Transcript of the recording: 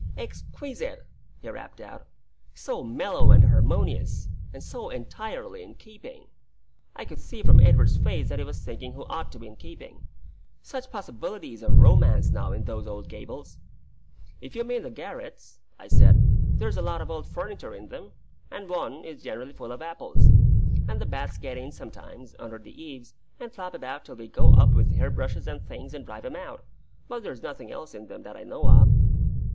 "Exquisite!" he rapped out; "so mellow and harmonious! and so entirely in keeping!" (I could see from Edward's face that he was thinking who ought to be in keeping.) "Such possibilities of romance, now, in those old gables!" "If you mean the garrets," I said, "there's a lot of old furniture in them; and one is generally full of apples; and the bats get in sometimes, under the eaves, and flop about till we go up with hair brushes and things and drive 'em out; but there's nothing else in them that I know of."